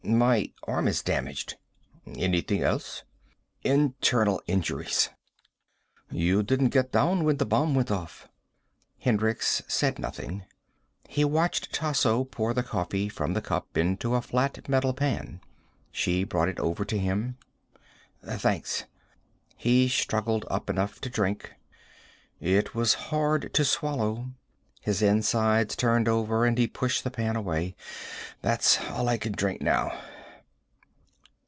"My arm is damaged." "Anything else?" "Internal injuries." "You didn't get down when the bomb went off." Hendricks said nothing. He watched Tasso pour the coffee from the cup into a flat metal pan. She brought it over to him. "Thanks." He struggled up enough to drink. It was hard to swallow. His insides turned over and he pushed the pan away. "That's all I can drink now."